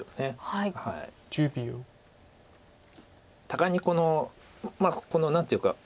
互いにこの何ていうか。